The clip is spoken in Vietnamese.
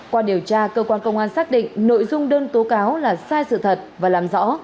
qua điều tra cơ quan công an xác định nội dung đơn tố cáo là sai sự thật và làm rõ